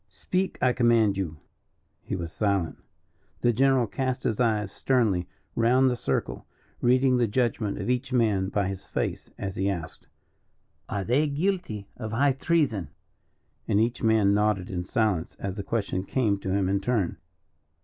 "Speak, I command you." He was silent. The general cast his eyes sternly round the circle, reading the judgment of each man by his face, as he asked: "Are they guilty of high treason?" And each man nodded in silence as the question came to him in turn.